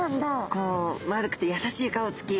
こう丸くて優しい顔つき。